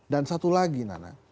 dan satu lagi nana